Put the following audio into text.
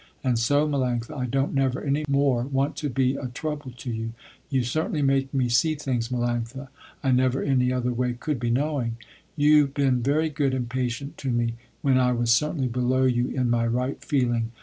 And so Melanctha, I don't never any more want to be a trouble to you. You certainly make me see things Melanctha, I never any other way could be knowing. You been very good and patient to me, when I was certainly below you in my right feeling.